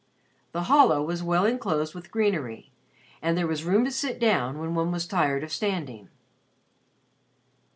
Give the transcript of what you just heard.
The hollow was well inclosed with greenery, and there was room to sit down when one was tired of standing.